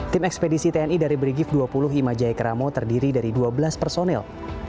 tim ekspedisi tni dari brigif dua puluh imajaya keramo terdiri dari dua belas personel